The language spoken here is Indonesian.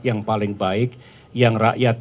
yang paling baik yang rakyat